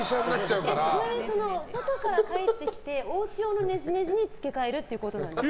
ちなみに、外から帰ってきておうち用のねじねじに付け替えるってことですか？